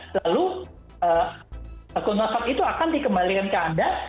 lalu akun whatsapp itu akan dikembalikan ke anda